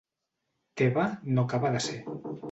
Teva no acaba de ser.